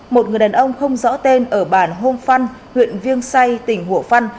một người đàn ông không rõ tên ở bản hôn phăn huyện viêng say tỉnh hồ phăn